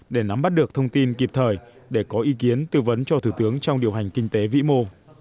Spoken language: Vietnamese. để nắm bắt được thông tin kịp thời để có ý kiến tư vấn cho thủ tướng trong điều hành kinh tế vĩ mô